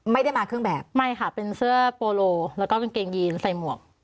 ไม่ได้มาเครื่องแบบไม่ค่ะเป็นเสื้อโปโลแล้วก็กางเกงยีนใส่หมวก